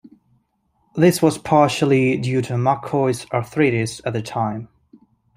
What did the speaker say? This was partially due to McCoy's arthritis at the time.